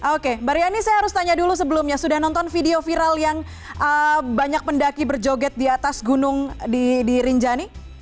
oke mbak riani saya harus tanya dulu sebelumnya sudah nonton video viral yang banyak pendaki berjoget di atas gunung di rinjani